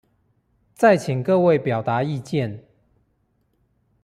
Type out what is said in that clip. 再請各位表達意見